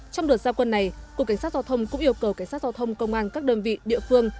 trong đợt giao quân này cục cảnh sát giao thông cũng yêu cầu cảnh sát giao thông công an các đơn vị địa phương